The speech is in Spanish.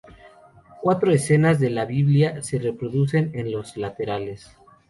Cuatro escenas de la Biblia se reproducen en los laterales.